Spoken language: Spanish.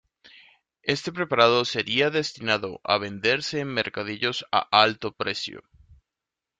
Este preparado sería destinado a venderse en mercadillos a alto precio.